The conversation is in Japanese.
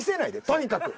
とにかく。